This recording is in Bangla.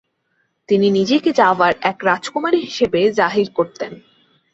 তিনি নিজেকে জাভার এক রাজকুমারী হিসাবে জাহির করতেন।